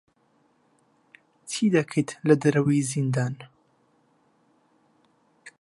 چی دەکەیت لە دەرەوەی زیندان؟